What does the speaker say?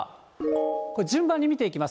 これ、順番に見ていきます。